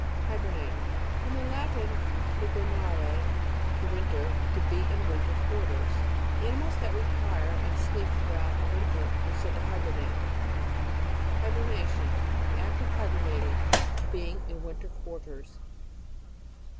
HIBERNATE. .From the Latin, hiber nare, to winter, to be in winter quarters. Anim.ils that retire and sLep throughout the winter are said to hibernate. HIBERNATION. The act of hiberna t ng. Being in winter quarters.